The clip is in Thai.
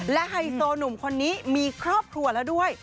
และไฮโซหนุ่มคนนี้มีครอบครัวแล้วด้วย